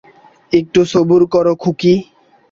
একটু সবুর কোরো খুকি।